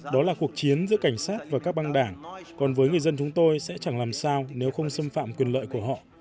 đó là cuộc chiến giữa cảnh sát và các băng đảng còn với người dân chúng tôi sẽ chẳng làm sao nếu không xâm phạm quyền lợi của họ